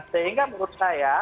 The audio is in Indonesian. sehingga menurut saya